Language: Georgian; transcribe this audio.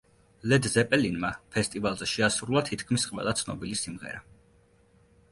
ლედ ზეპელინმა ფესტივალზე შეასრულა თითქმის ყველა ცნობილი სიმღერა.